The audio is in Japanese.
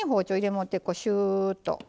もうてこうシューッと。